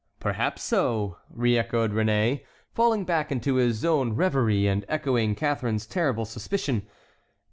"Perhaps so," re echoed Réné, falling back into his own reverie and echoing Catharine's terrible suspicion.